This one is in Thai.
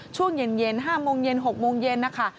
ช่วงเย็น๕โมงเย็น๖โมงเย็นนะคะ